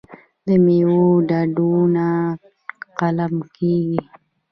د میوو ډډونه قلم کیږي.